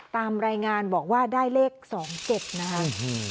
ตามรายงานบอกว่าได้เลข๒๗นะคะ